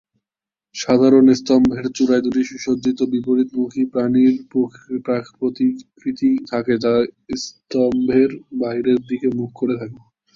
সাধারণত স্তম্ভের চূড়ায় দুটি সুসজ্জিত বিপরীতমুখী প্রাণীর প্রতিকৃতি থাকে যা স্তম্ভের বাহিরের দিকে মুখ করে থাকে।